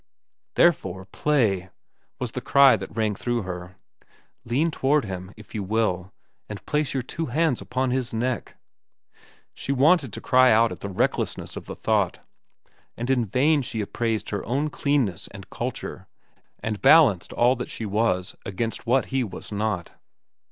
"Therefore, play!" was the cry that rang through her. "Lean toward him, if so you will, and place your two hands upon his neck!" She wanted to cry out at the recklessness of the thought, and in vain she appraised her own cleanness and culture and balanced all that she was against what he was not.